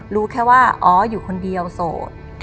รู้แค่ว่าอ๋ออยู่คนเดียวโสด